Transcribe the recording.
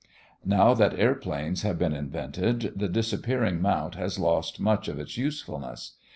Now that airplanes have been invented, the disappearing mount has lost much of its usefulness.